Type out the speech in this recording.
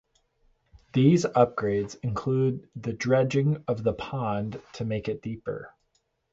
These upgrades included the dredging of the pond to make it deeper.